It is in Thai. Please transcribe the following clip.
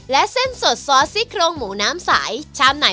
และเส้นสดซอสซี่โครงหมูน้ำใสชามไหน